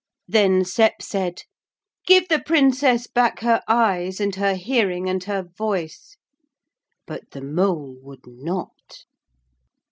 Then Sep said, 'Give the Princess back her eyes and her hearing and her voice.' But the mole would not.